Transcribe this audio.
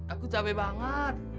aku capek banget